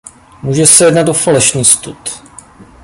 Může se jednat o falešný stud.